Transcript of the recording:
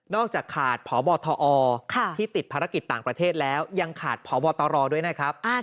จากขาดพบทอที่ติดภารกิจต่างประเทศแล้วยังขาดพบตรด้วยนะครับ